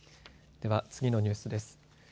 では、次のニュースです。